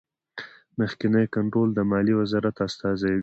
مخکینی کنټرول د مالیې وزارت استازی کوي.